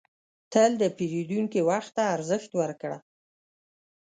تل د پیرودونکي وخت ته ارزښت ورکړه.